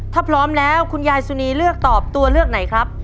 ถ้าพร้อมแล้วคุณยายสุนีเลือกตอบตัวเลือกไหนครับ